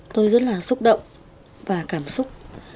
tôi rất là xúc động và cảm xúc